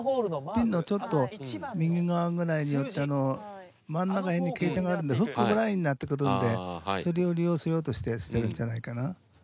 ピンのちょっと右側ぐらいに打って真ん中辺に傾斜があるんでフックぐらいになってくるんでそれを利用しようとしてるんじゃないかな。